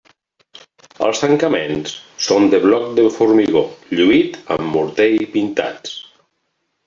Els tancaments són de bloc de formigó lluït amb morter i pintats.